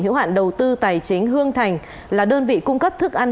hữu hạn đầu tư tài chính hương thành là đơn vị cung cấp thức ăn